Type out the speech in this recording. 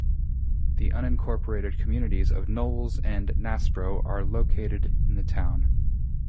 The unincorporated communities of Knowles and Nasbro are located in the town.